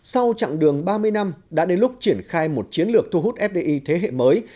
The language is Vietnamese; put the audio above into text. sau chặng đường ba mươi năm đã đến lúc triển khai một chiến lược thu hút fdi thế hệ mới